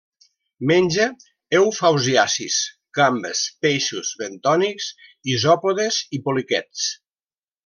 Menja eufausiacis, gambes, peixos bentònics, isòpodes i poliquets.